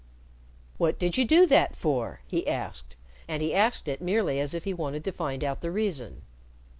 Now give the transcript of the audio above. "What did you do that for?" he asked, and he asked it merely as if he wanted to find out the reason.